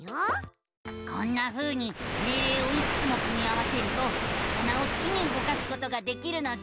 こんなふうに命令をいくつも組み合わせると魚をすきに動かすことができるのさ！